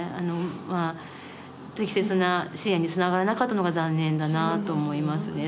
まあ適切な支援につながらなかったのが残念だなと思いますね